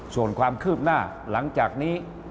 ส่วนความคืบหน้าหลังจากนี้